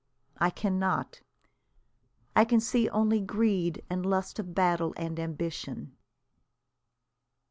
I cannot. I can see only greed and lust of battle and ambition.